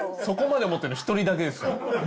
そこまで思ってるの一人だけです。